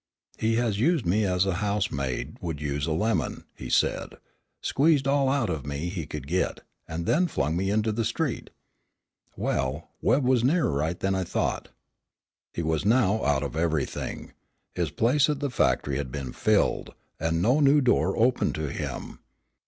"He has used me as a housemaid would use a lemon," he said, "squeezed all out of me he could get, and then flung me into the street. Well, Webb was nearer right than I thought." He was now out of everything. His place at the factory had been filled, and no new door opened to him.